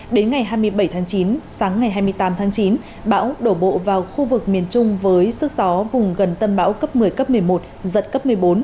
đến ngày hai mươi bảy tháng chín sáng ngày hai mươi tám tháng chín bão đổ bộ vào khu vực miền trung với sức gió vùng gần tâm bão cấp một mươi cấp một mươi một giật cấp một mươi bốn